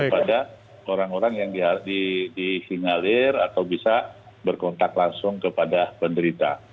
pada orang orang yang disinyalir atau bisa berkontak langsung kepada penderita